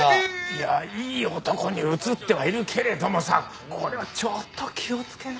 いやいい男に映ってはいるけれどもさこれはちょっと気をつけないと。